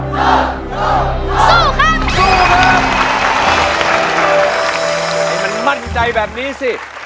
ให้มันมั่นใจแบบนี้สิ